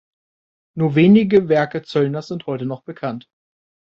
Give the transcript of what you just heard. Nur wenige Werke Zöllners sind heute noch bekannt.